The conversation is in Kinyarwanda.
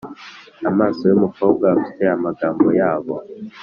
amaso yumukobwa afite amagambo yabo.